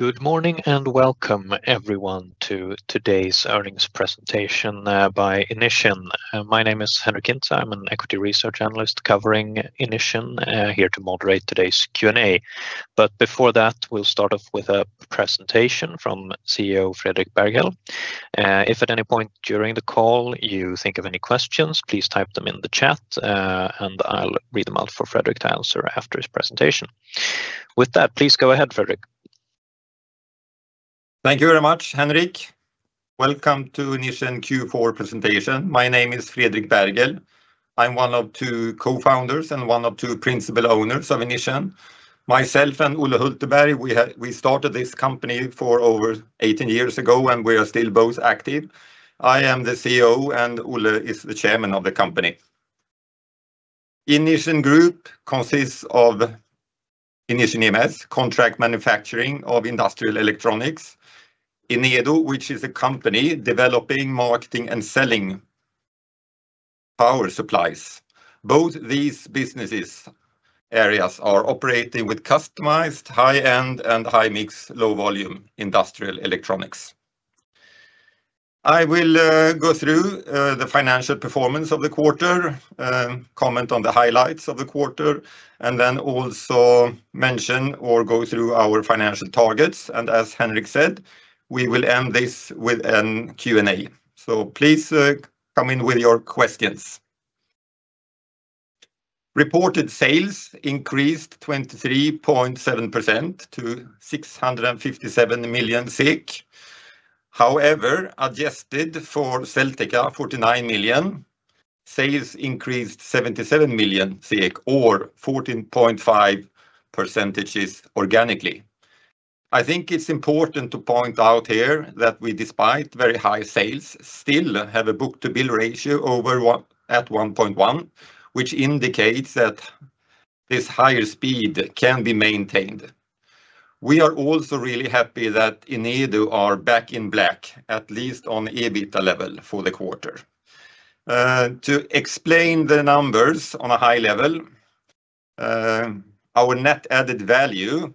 Good morning, and welcome everyone to today's Earnings Presentation by Inission. My name is Henric Hintze. I'm an Equity Research Analyst covering Inission, here to moderate today's Q&A. But before that, we'll start off with a presentation from CEO Fredrik Berghel. If at any point during the call you think of any questions, please type them in the chat, and I'll read them out for Fredrik to answer after his presentation. With that, please go ahead, Fredrik. Thank you very much, Henrik. Welcome to Inission Q4 presentation. My name is Fredrik Berghel. I'm one of two co-founders and one of two principal owners of Inission. Myself and Olle Hultberg, we started this company over 18 years ago, and we are still both active. I am the CEO, and Olle is the Chairman of the company. Inission Group consists of Inission EMS, contract manufacturing of industrial electronics, Enedo, which is a company developing, marketing, and selling power supplies. Both these businesses' areas are operating with customized, high-end, and high-mix, low-volume industrial electronics. I will go through the financial performance of the quarter, comment on the highlights of the quarter, and then also mention or go through our financial targets, and as Henrik said, we will end this with a Q&A. So please, come in with your questions. Reported sales increased 23.7% to 657 million. However, adjusted for Selteka, 49 million, sales increased 77 million, or 14.5% organically. I think it's important to point out here that we, despite very high sales, still have a book-to-bill ratio over 1x at 1.1x, which indicates that this higher speed can be maintained. We are also really happy that Enedo are back in black, at least on EBITDA level for the quarter. To explain the numbers on a high level, our net added value,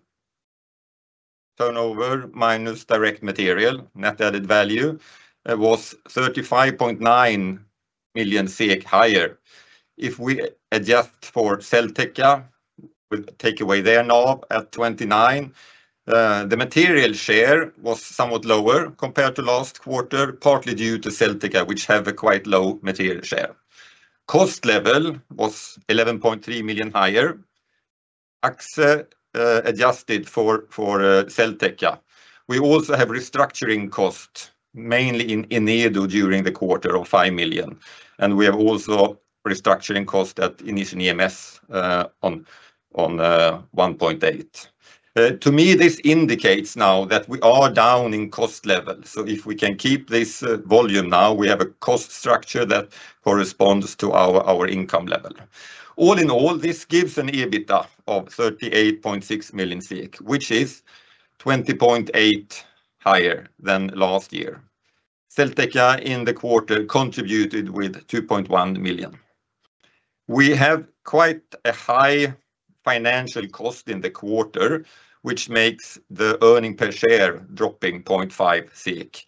turnover minus direct material, net added value, was 35.9 million SEK higher. If we adjust for Selteka, we take away their NAV at 29 million, the material share was somewhat lower compared to last quarter, partly due to Selteka, which have a quite low material share. Cost level was 11.3 million higher, AXXE AS, adjusted for Selteka. We also have restructuring cost, mainly in Enedo during the quarter of 5 million, and we have also restructuring cost at Inission EMS on 1.8 million. To me, this indicates now that we are down in cost level, so if we can keep this volume now, we have a cost structure that corresponds to our income level. All in all, this gives an EBITDA of 38.6 million, which is 20.8 million higher than last year. Selteka in the quarter contributed with 2.1 million. We have quite a high financial cost in the quarter, which makes the earning per share dropping 0.5,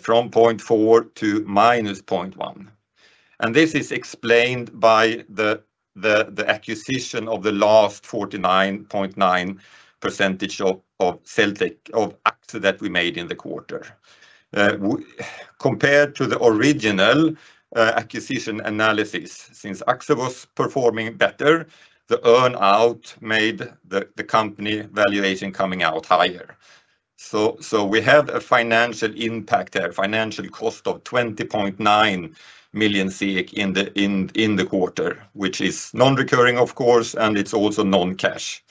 from 0.4 to minus 0.1. This is explained by the acquisition of the last 49.9% of Selteka of AXXE that we made in the quarter. Compared to the original acquisition analysis, since AXXE was performing better, the earn-out made the company valuation coming out higher. So we have a financial impact there, financial cost of 20.9 million in the quarter, which is non-recurring, of course, and it's also non-cash.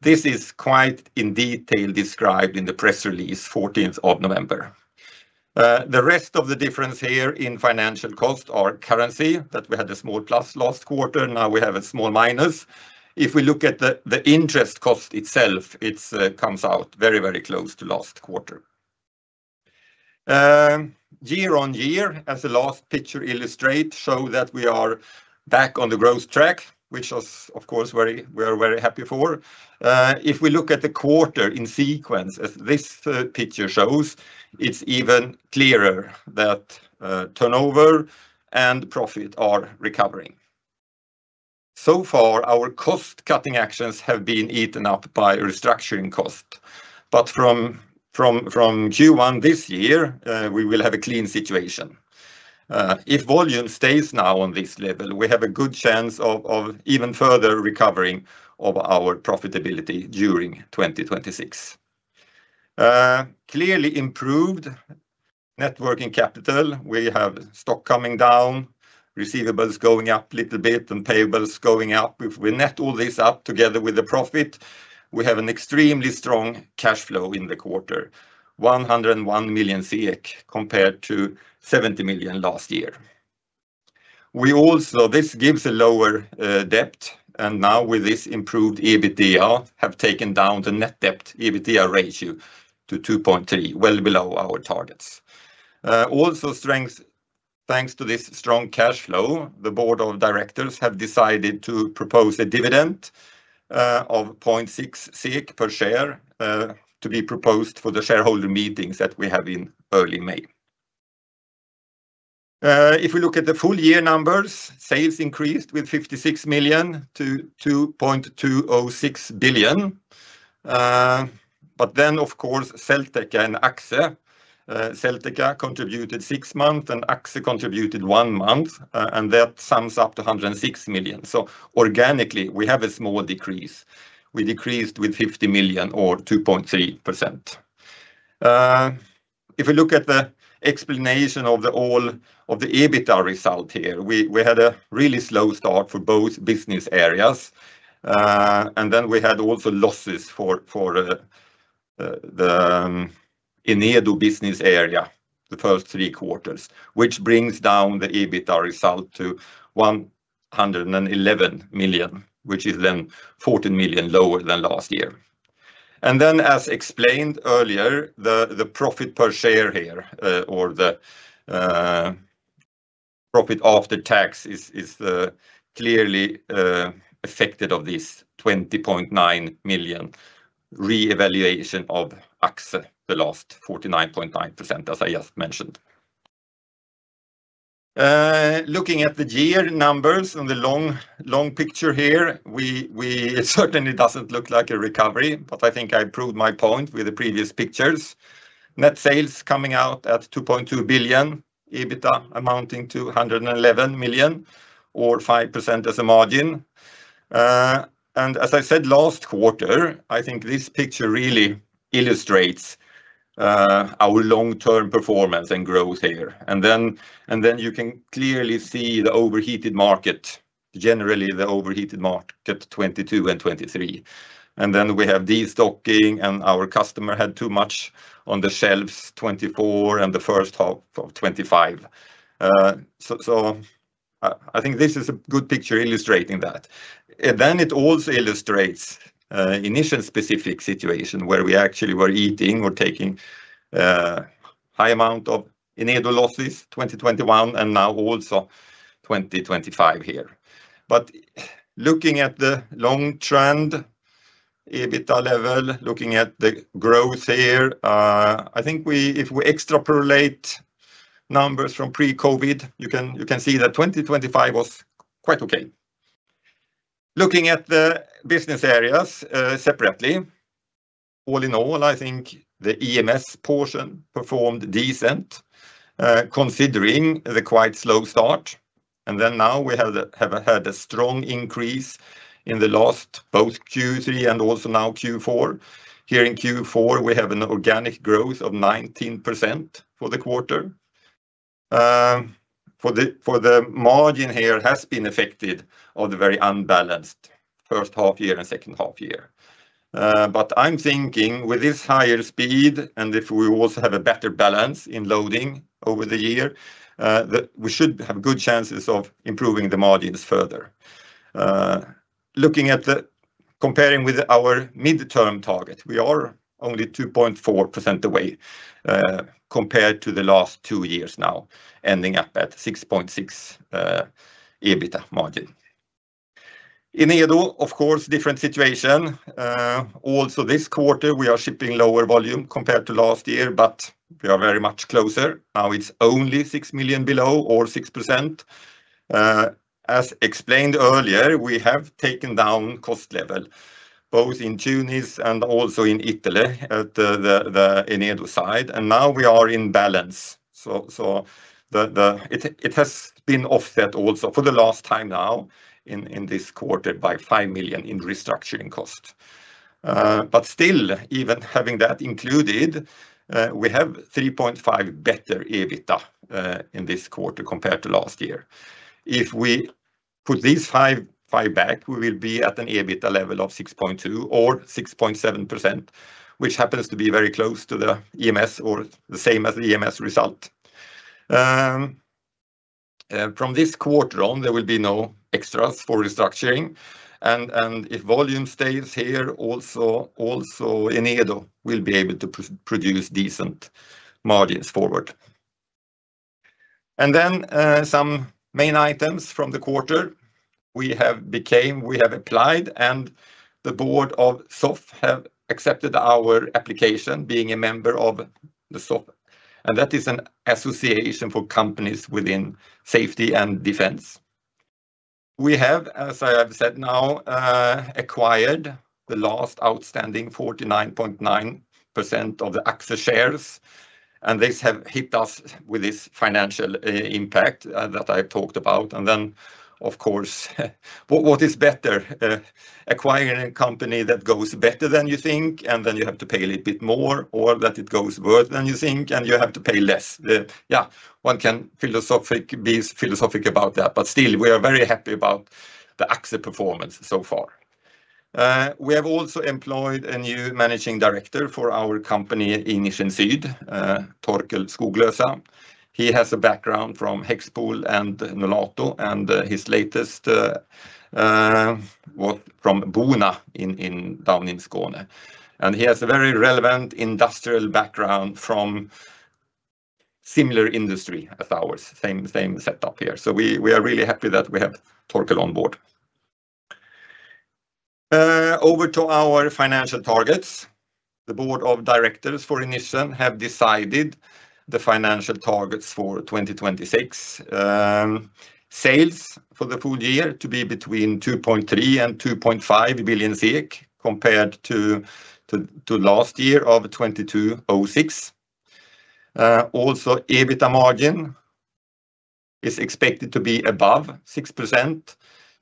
This is quite in detail described in the press release, fourteenth of November. The rest of the difference here in financial cost are currency, that we had a small plus last quarter, now we have a small minus. If we look at the interest cost itself, it comes out very, very close to last quarter. Year on year, as the last picture illustrate, show that we are back on the growth track, which is, of course, very—we are very happy for. If we look at the quarter in sequence, as this picture shows, it's even clearer that turnover and profit are recovering. So far, our cost-cutting actions have been eaten up by restructuring costs. But from Q1 this year, we will have a clean situation. If volume stays now on this level, we have a good chance of even further recovering of our profitability during 2026. Clearly improved working capital. We have stock coming down, receivables going up little bit, and payables going up. If we net all this up together with the profit, we have an extremely strong cash flow in the quarter, 101 million, compared to 70 million last year. We also. This gives a lower debt, and now with this improved EBITDA, have taken down the net debt EBITDA ratio to 2.3x, well below our targets. Thanks to this strong cash flow, the board of directors have decided to propose a dividend of 0.6 per share, to be proposed for the shareholder meetings that we have in early May. If we look at the full year numbers, sales increased with 56 million to 2.206 billion. But then, of course, Selteka and AXXE, Selteka contributed six months, and AXXE contributed one month, and that sums up to 106 million. So organically, we have a small decrease. We decreased with 50 million or 2.3%. If we look at the explanation of the all, of the EBITDA result here, we had a really slow start for both business areas. And then we had also losses for the Enedo business area, the first three quarters, which brings down the EBITDA result to 111 million, which is then 14 million lower than last year. And then, as explained earlier, the profit per share here, or the profit after tax is clearly affected of this 20.9 million re-evaluation of AXXE, the last 49.9%, as I just mentioned. Looking at the year numbers and the long, long picture here, it certainly doesn't look like a recovery, but I think I proved my point with the previous pictures. Net sales coming out at 2.2 billion, EBITDA amounting to 111 million or 5% as a margin. And as I said last quarter, I think this picture really illustrates our long-term performance and growth here. And then you can clearly see the overheated market, generally the overheated market, 2022 and 2023. And then we have destocking, and our customer had too much on the shelves, 2024 and the first half of 2025. So I think this is a good picture illustrating that. Then it also illustrates initial specific situation where we actually were eating or taking high amount of Enedo losses, 2021, and now also 2025 here. But looking at the long trend, EBITDA level, looking at the growth here, I think we, if we extrapolate numbers from pre-COVID, you can see that 2025 was quite okay. Looking at the business areas separately, all in all, I think the EMS portion performed decent considering the quite slow start. And then now we have had a strong increase in the last, both Q3 and also now Q4. Here in Q4, we have an organic growth of 19% for the quarter. For the margin here, it has been affected of the very unbalanced first half year and second half year. I'm thinking with this higher speed, and if we also have a better balance in loading over the year, that we should have good chances of improving the margins further. Looking at the—comparing with our midterm target, we are only 2.4% away, compared to the last two years now, ending up at 6.6% EBITDA margin. Enedo, of course, different situation. Also this quarter, we are shipping lower volume compared to last year, but we are very much closer. Now, it's only 6 million below or 6%. As explained earlier, we have taken down cost level, both in Tunis and also in Italy, at the Enedo side, and now we are in balance. So, it has been offset also for the last time now in this quarter by 5 million in restructuring costs. But still, even having that included, we have 3.5 million better EBITDA in this quarter compared to last year. If we put these five back, we will be at an EBITDA level of 6.2% or 6.7%, which happens to be very close to the EMS or the same as the EMS result. From this quarter on, there will be no extras for restructuring, and if volume stays here, also Enedo will be able to produce decent margins forward. And then, some main items from the quarter. We have become, we have applied, and the board of SOFF have accepted our application, being a member of SOFF, and that is an association for companies within safety and defense. We have, as I have said now, acquired the last outstanding 49.9% of the AXXE AS shares, and this has hit us with this financial impact that I talked about. Of course, what is better, acquiring a company that goes better than you think, and then you have to pay a little bit more, or that it goes worse than you think, and you have to pay less? Yeah, one can be philosophic about that, but still, we are very happy about the AXXE AS performance so far. We have also employed a new Managing Director for our company Inission Syd, Torkel Skoglösa. He has a background from HEXPOL and Nolato, and his latest, well, from Bona in, down in Skåne. He has a very relevant industrial background from similar industry as ours, same, same setup here. We are really happy that we have Torkel on board. Over to our financial targets. The board of directors for Inission have decided the financial targets for 2026. Sales for the full year to be between 2.3 billion-2.5 billion, compared to last year of 2,206 million. Also, EBITDA margin is expected to be above 6%,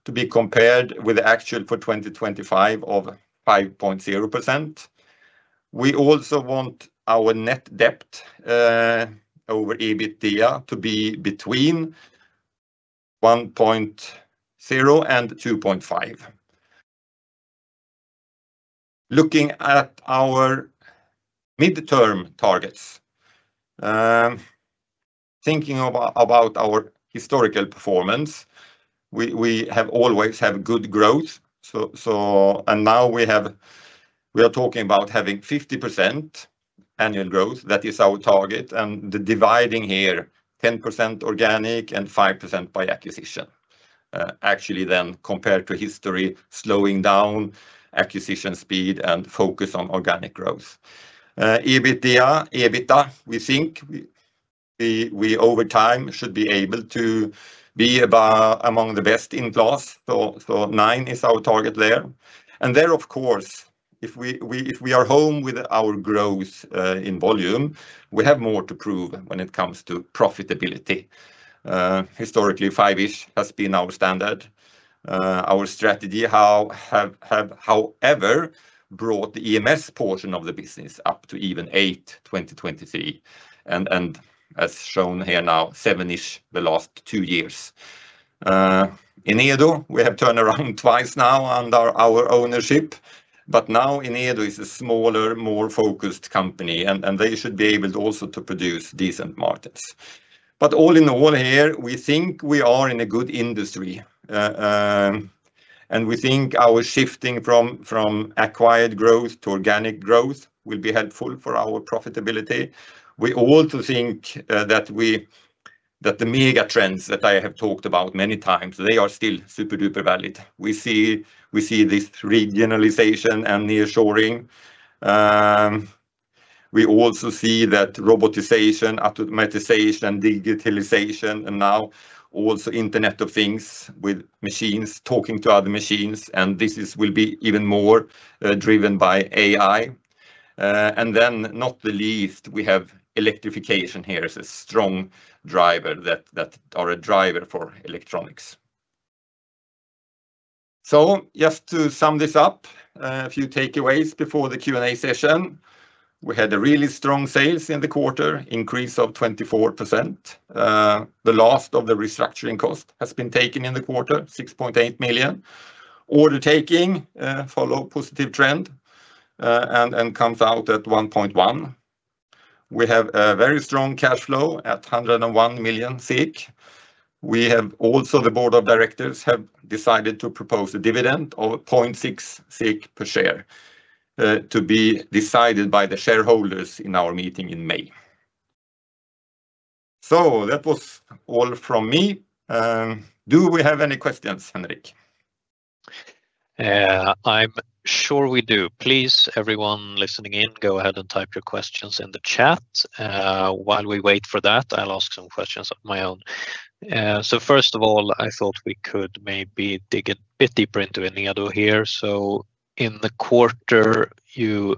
to be compared with the actual for 2025 of 5.0%. We also want our net debt over EBITDA to be between 1.0x-2.5x. Looking at our midterm targets, thinking about our historical performance, we have always have good growth. So, and now we are talking about having 50% annual growth. That is our target, and the dividing here, 10% organic and 5% by acquisition. Actually, then, compared to history, slowing down acquisition speed and focus on organic growth. EBITDA, we think we over time should be able to be about among the best in class, so 9% is our target there. And there, of course, if we are home with our growth in volume, we have more to prove when it comes to profitability. Historically, 5%-ish has been our standard. Our strategy, however, brought the EMS portion of the business up to even 8% in 2023, and as shown here now, 7%-ish the last two years. Enedo, we have turned around twice now under our ownership, but now Enedo is a smaller, more focused company, and they should be able also to produce decent margins. But all in all here, we think we are in a good industry, and we think our shifting from acquired growth to organic growth will be helpful for our profitability. We also think that the mega trends that I have talked about many times, they are still super-duper valid. We see this regionalization and nearshoring. We also see that robotization, automatization, digitalization, and now also Internet of Things, with machines talking to other machines, and this is, will be even more, driven by AI. Then not the least, we have electrification here as a strong driver that, that are a driver for electronics. Just to sum this up, a few takeaways before the Q&A session. We had a really strong sales in the quarter, increase of 24%. The last of the restructuring cost has been taken in the quarter, 6.8 million. Order taking, follow positive trend, and, and comes out at 1.1x. We have a very strong cash flow at 101 million. We have also, the board of directors, have decided to propose a dividend of 0.6 per share, to be decided by the shareholders in our meeting in May. So that was all from me. Do we have any questions, Henric? I'm sure we do. Please, everyone listening in, go ahead and type your questions in the chat. While we wait for that, I'll ask some questions of my own. So first of all, I thought we could maybe dig a bit deeper into Enedo here. So in the quarter, you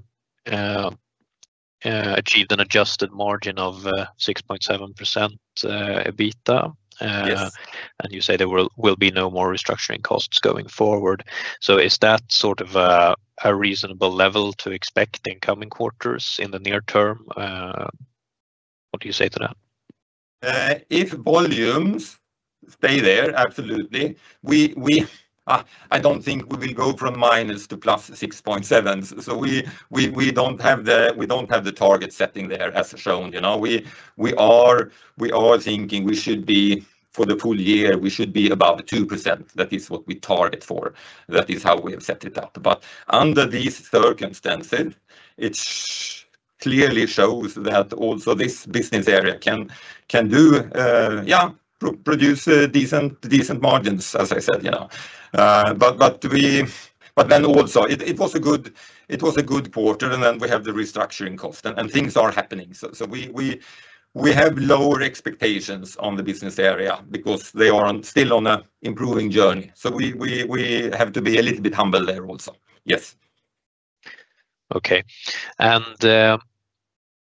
achieved an adjusted margin of 6.7% EBITDA. And you say there will be no more restructuring costs going forward. So is that sort of a reasonable level to expect in coming quarters, in the near term? What do you say to that? If volumes stay there, absolutely. We, I don't think we will go from minus to +6.7%. So we don't have the target setting there, as shown, you know. We are thinking we should be, for the full year, we should be about 2%. That is what we target for. That is how we have set it up. But under these circumstances, it clearly shows that also this business area can do, yeah, produce decent margins, as I said, you know. But then also, it was a good quarter, and then we have the restructuring cost, and things are happening. So we have lower expectations on the business area because they are still on an improving journey. So we have to be a little bit humble there also. Yes. Okay. And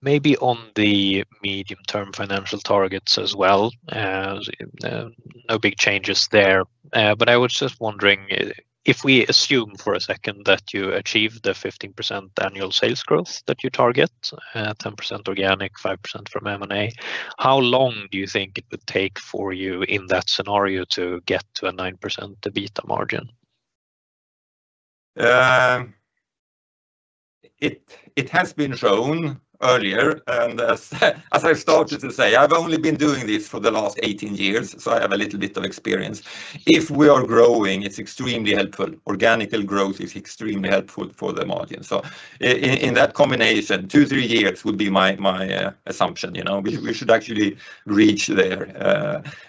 maybe on the medium-term financial targets as well, no big changes there. But I was just wondering, if we assume for a second that you achieved the 15% annual sales growth that you target, 10% organic, 5% from M&A, how long do you think it would take for you in that scenario to get to a 9% EBITDA margin? It has been shown earlier, and as I've started to say, I've only been doing this for the last 18 years, so I have a little bit of experience. If we are growing, it's extremely helpful. Organic growth is extremely helpful for the margin. So in that combination, two-three years would be my assumption, you know. We should actually reach there.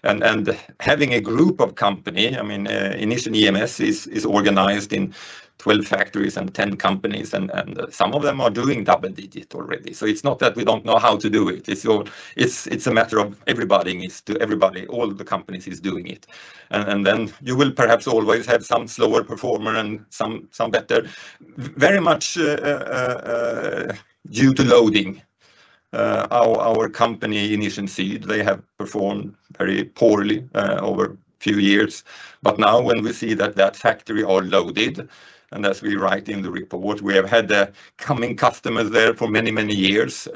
And having a group of company, I mean, Inission EMS is organized in 12 factories and 10 companies, and some of them are doing double digit already. So it's not that we don't know how to do it, it's a matter of everybody needs to everybody, all the companies is doing it. And then you will perhaps always have some slower performer and some better, very much due to loading. Our company, Inission Syd, they have performed very poorly over a few years. But now when we see that that factory are loaded, and as we write in the report, we have had coming customers there for many, many years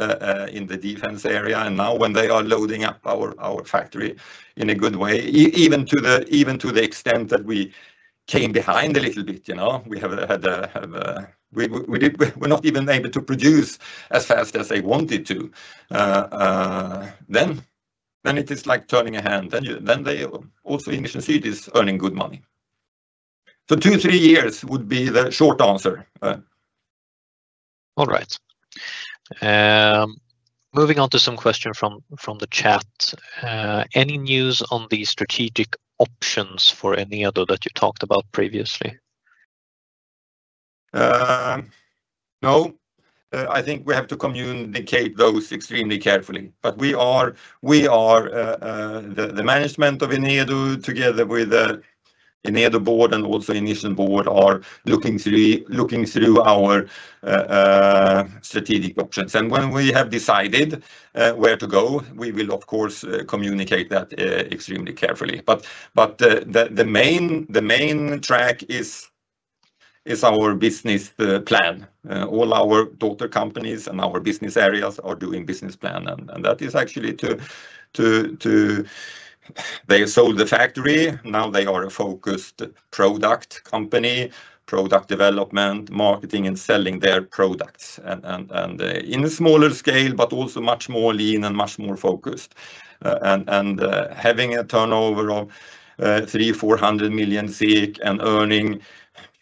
in the defense area. And now when they are loading up our factory in a good way, even to the extent that we came behind a little bit, you know, we have had a, have a. We, we're not even able to produce as fast as they wanted to. Then it is like turning a hand, then they also, Inission Syd is earning good money. Two-three years would be the short answer. All right. Moving on to some question from the chat. Any news on the strategic options for Enedo that you talked about previously? I think we have to communicate those extremely carefully. We are, we are, the management of Enedo, together with Enedo board and also Inission board, are looking through, looking through our strategic options. When we have decided where to go, we will of course communicate that extremely carefully. The main track is our business plan. All our daughter companies and our business areas are doing business plan, and that is actually to,-- They sold the factory, now they are a focused product company, product development, marketing, and selling their products. In a smaller scale, but also much more lean and much more focused. Having a turnover of 300 million-400 million, and earning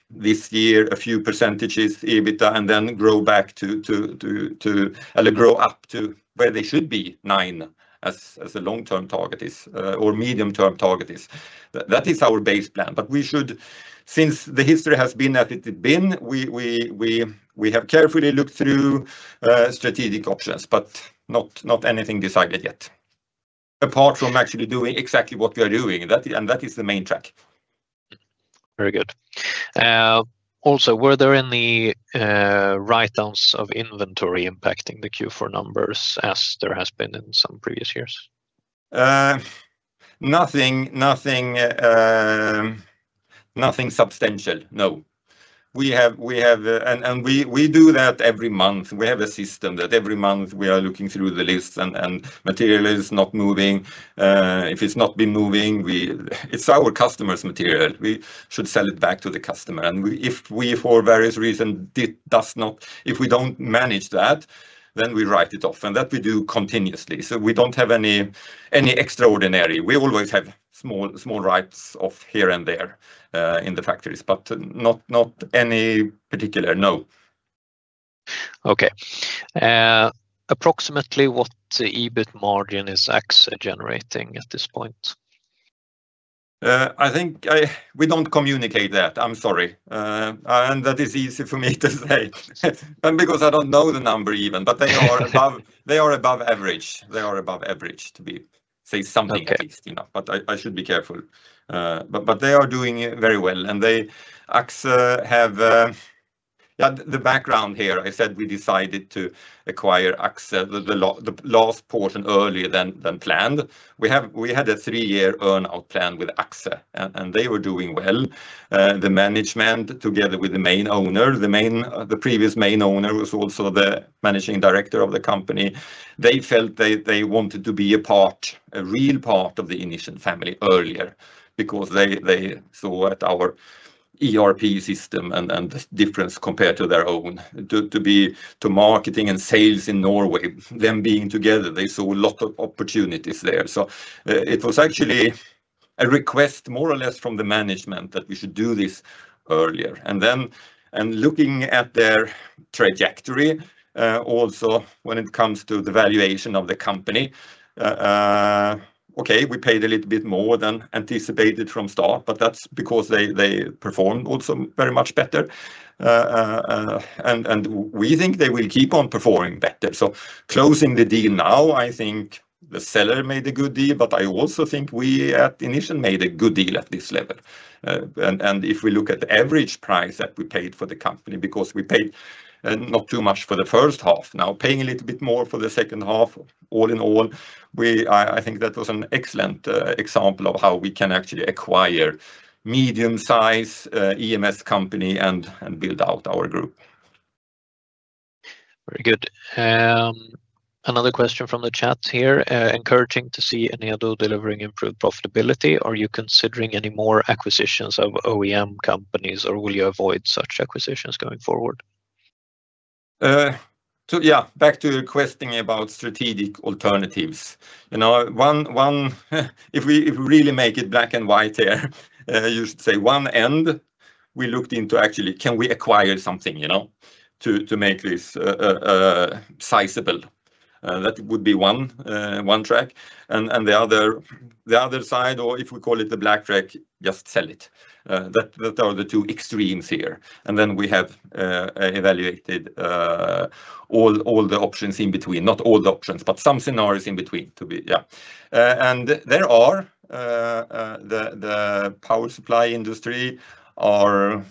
this year a few percentages EBITDA, and then grow back to, to, to, grow up to where they should be, 9%, as a long-term target is, or medium-term target is. That is our base plan. We should, since the history has been as it has been, we have carefully looked through strategic options, but not anything decided yet, apart from actually doing exactly what we are doing. That is the main track. Very good. Also, were there any write-downs of inventory impacting the Q4 numbers as there has been in some previous years? Nothing substantial, no. We have and we do that every month. We have a system that every month we are looking through the lists and material is not moving. If it's not been moving, it's our customer's material, we should sell it back to the customer. And if we, for various reason, it does not. If we don't manage that, then we write it off, and that we do continuously. So we don't have any extraordinary. We always have small write-offs here and there in the factories, but not any particular, no. Okay. Approximately what EBIT margin is AXXE generating at this point? We don't communicate that. I'm sorry. And that is easy for me to say, and because I don't know the number even, but they are above average. They are above average, to be, say something at least, you know, I should be careful. They are doing very well, and they, AXXE AS, have-- The background here, I said we decided to acquire AXXE AS, the last portion earlier than planned. We had a three-year earn-out plan with AXXE AS, and they were doing well. The management, together with the previous main owner, who was also the managing director of the company, felt they wanted to be a part, a real part of the Inission family earlier, because they saw at our ERP system and the difference compared to their own, to marketing and sales in Norway, them being together, they saw a lot of opportunities there. So it was actually a request, more or less from the management, that we should do this earlier. And then, looking at their trajectory, also when it comes to the valuation of the company, okay, we paid a little bit more than anticipated from start, but that's because they, they performed also very much better. And we think they will keep on performing better. So closing the deal now, I think the seller made a good deal, but I also think we at Inission made a good deal at this level. And if we look at the average price that we paid for the company, because we paid not too much for the first half, now paying a little bit more for the second half, all in all, we, I think that was an excellent example of how we can actually acquire medium-size EMS company and build out our group. Very good. Another question from the chat here, encouraging to see Inission delivering improved profitability. Are you considering any more acquisitions of OEM companies, or will you avoid such acquisitions going forward? So yeah, back to your questioning about strategic alternatives. You know, one, one, if we, if we really make it black and white here, you should say one end, we looked into actually, can we acquire something, you know, to, to make this sizable? That would be one, one track, and, and the other, the other side, or if we call it the black track, just sell it. That, that are the two extremes here. And then we have evaluated all, all the options in between. Not all the options, but some scenarios in between to be, yeah. And there are the, the power supply industry are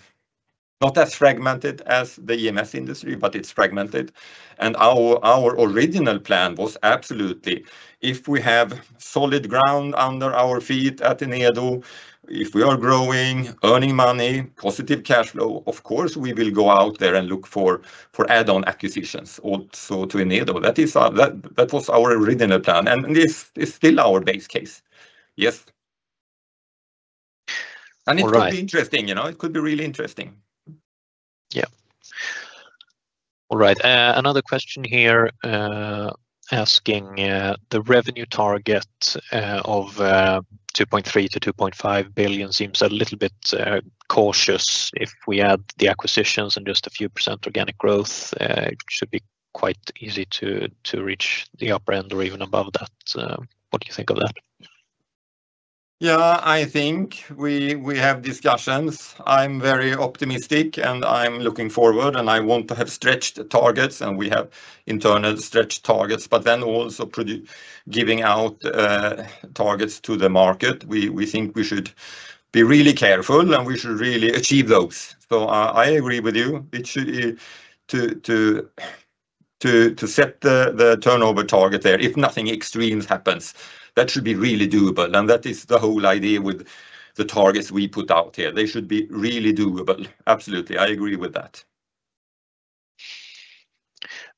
not as fragmented as the EMS industry, but it's fragmented. Our original plan was absolutely, if we have solid ground under our feet at Inission, if we are growing, earning money, positive cash flow, of course, we will go out there and look for add-on acquisitions also to Inission. That is our - that was our original plan, and it's still our base case. Yes. All right. It could be interesting, you know, it could be really interesting. Yeah. All right, another question here, asking the revenue target of 2.3 billion-2.5 billion seems a little bit cautious. If we add the acquisitions and just a few percent organic growth, it should be quite easy to, to reach the upper end or even above that. So what do you think of that? Yeah, I think we have discussions. I'm very optimistic, and I'm looking forward, and I want to have stretched targets, and we have internal stretched targets, but then also pretty giving out targets to the market. We think we should be really careful, and we should really achieve those. So I agree with you, it should to set the turnover target there, if nothing extremes happens, that should be really doable. And that is the whole idea with the targets we put out here. They should be really doable. Absolutely. I agree with that.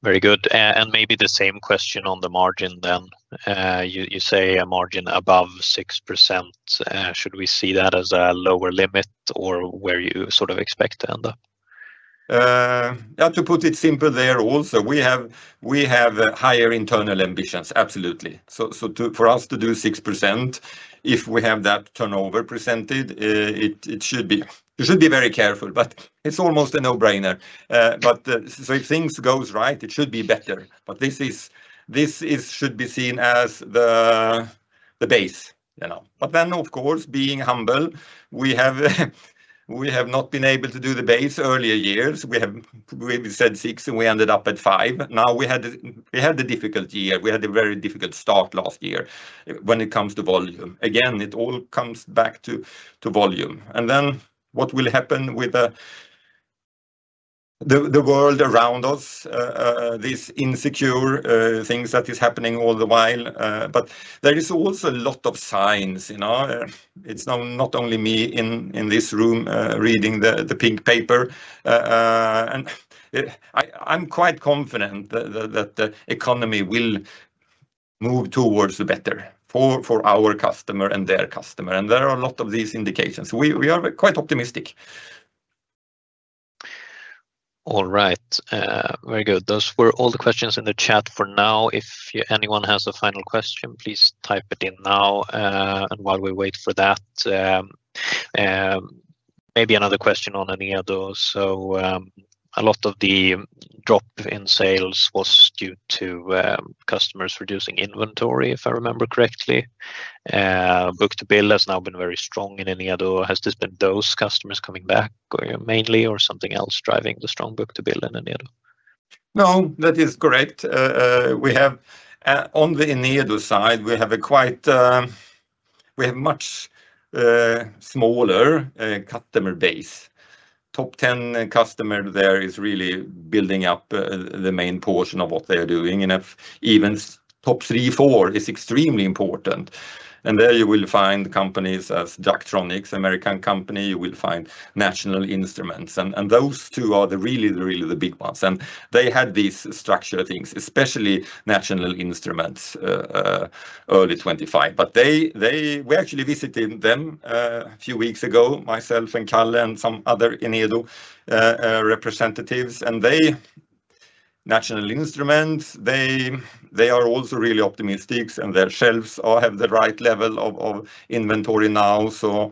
Very good. Maybe the same question on the margin then. You say a margin above 6%, should we see that as a lower limit or where you sort of expect to end up? Yeah, to put it simple there also, we have higher internal ambitions, absolutely. So, for us to do 6%, if we have that turnover presented, it should be—you should be very careful, but it's almost a no-brainer. But, so if things goes right, it should be better. But this is—should be seen as the base, you know. But then, of course, being humble, we have not been able to do the base earlier years. We said 6%, and we ended up at 5%. Now, we had a difficult year. We had a very difficult start last year when it comes to volume. Again, it all comes back to volume. Then what will happen with the world around us, this insecure things that is happening all the while, but there is also a lot of signs, you know, it's not only me in this room reading the pink paper. And I'm quite confident that the economy will move towards the better for our customer and their customer. And there are a lot of these indications. We are quite optimistic. All right, very good. Those were all the questions in the chat for now. If anyone has a final question, please type it in now, and while we wait for that, maybe another question on Enedo. So, a lot of the drop in sales was due to customers reducing inventory, if I remember correctly. Book-to-bill has now been very strong in Enedo. Has this been those customers coming back, mainly, or something else driving the strong book-to-bill in Enedo? No, that is correct. We have, on the Enedo side, we have a quite, we have much smaller customer base. Top 10 customer there is really building up, the main portion of what they are doing, and if even top 3x, 4x is extremely important. And there you will find companies as Daktronics, American company, you will find National Instruments, and, and those two are the really, really the big ones. And they had these structure things, especially National Instruments, early 2025. But they we actually visited them, a few weeks ago, myself and Kalle and some other Enedo representatives, and they, National Instruments, they are also really optimistic, and their shelves all have the right level of inventory now. So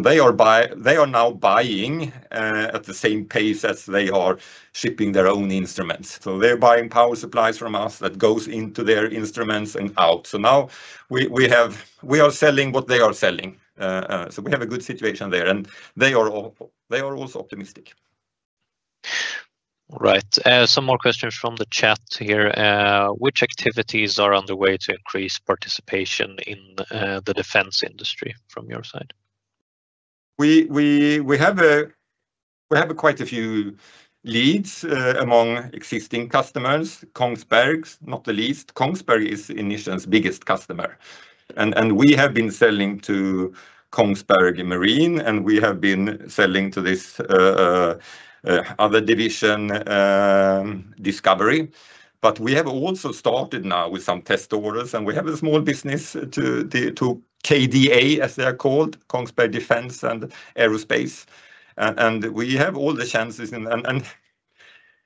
they are now buying at the same pace as they are shipping their own instruments. So they're buying power supplies from us that goes into their instruments and out. So now we are selling what they are selling, so we have a good situation there, and they are also optimistic. Right. Some more questions from the chat here. Which activities are on the way to increase participation in the defense industry from your side? We have quite a few leads, among existing customers, Kongsberg not the least. Kongsberg is Inission's biggest customer, and we have been selling to Kongsberg in Marine, and we have been selling to this other division, Discovery. We have also started now with some test orders, and we have a small business to KDA, as they are called, Kongsberg Defence & Aerospace. We have all the chances, and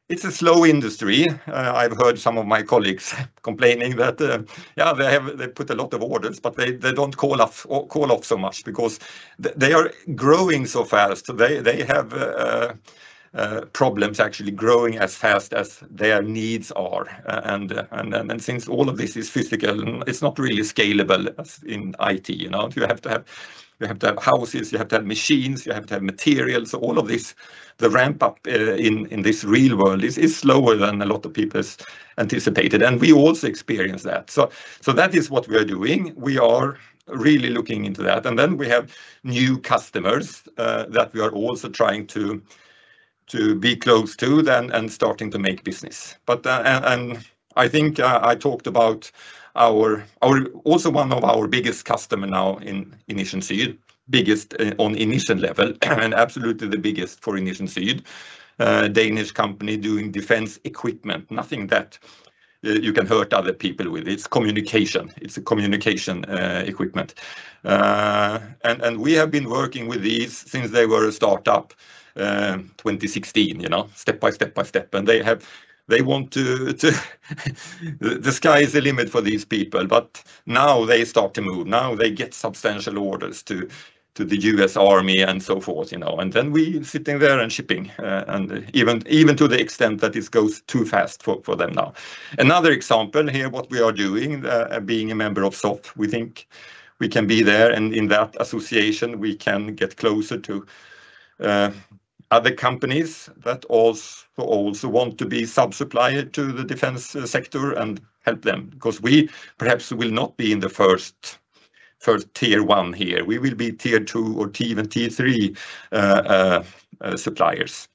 it's a slow industry. I've heard some of my colleagues complaining that they have—they put a lot of orders, but they don't call off so much because they are growing so fast. They have problems actually growing as fast as their needs are. And since all of this is physical, it's not really scalable as in IT, you know? You have to have, you have to have houses, you have to have machines, you have to have materials. All of this, the ramp up in this real world is slower than a lot of people anticipated, and we also experience that. That is what we are doing. We are really looking into that, and then we have new customers that we are also trying to be close to then and starting to make business. I think I talked about our-- Also one of our biggest customer now in Inission Syd, biggest on Inission level, and absolutely the biggest for Inission Syd, Danish company doing defense equipment. Nothing that you can hurt other people with. It's communication. It's a communication equipment. And we have been working with these since they were a start-up, 2016, you know, step by step by step. And they want to, the sky is the limit for these people, but now they start to move. Now they get substantial orders to the US Army and so forth, you know, and then we sitting there and shipping, and even to the extent that it goes too fast for them now. Another example here, what we are doing, being a member of SOFF, we think we can be there, and in that association, we can get closer to other companies that also want to be sub-supplier to the defense sector and help them, 'cause we perhaps will not be in the first Tier 1 here. We will be Tier 2 or even Tier 3 suppliers.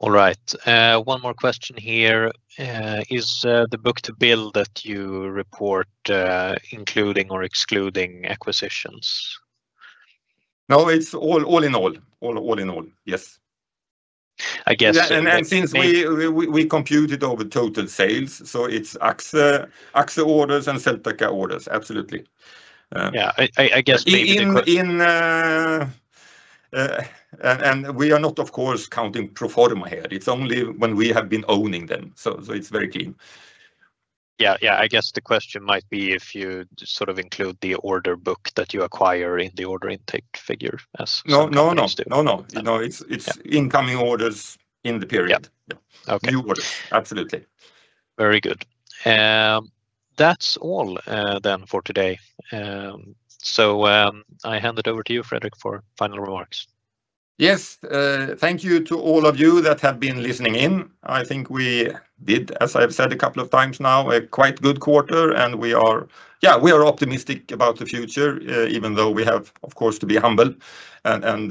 All right, one more question here. Is the book-to-bill that you report including or excluding acquisitions? No, it's all in all. All in all, yes. I guess-- Yeah, and then since we compute it over total sales, so it's AXXE, AXXE orders and Selteka orders, absolutely. Yeah, I guess maybe the que-- We are not, of course, counting pro forma here. It's only when we have been owning them, so it's very clean. Yeah, yeah, I guess the question might be if you sort of include the order book that you acquire in the order intake figure, as some companies do. No, no, no. No, no. You know, it's incoming orders in the period. New orders, absolutely. Very good. That's all, then for today. So, I hand it over to you, Fredrik, for final remarks. Yes, thank you to all of you that have been listening in. I think we did, as I've said a couple of times now, a quite good quarter, and we are, yeah, we are optimistic about the future, even though we have, of course, to be humble and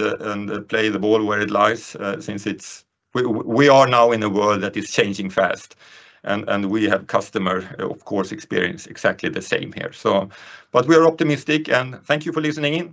play the ball where it lies, since it's. We are now in a world that is changing fast, and we have customer, of course, experience exactly the same here, so. But we are optimistic, and thank you for listening in.